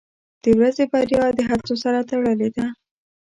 • د ورځې بریا د هڅو سره تړلې ده.